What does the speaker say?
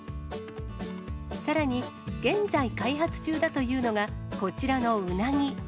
さらに、現在開発中だというのが、こちらのウナギ。